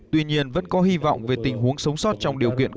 tuy nhiên vẫn có hy vọng về tình huống sống sót trong điều kiện